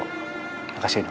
terima kasih dok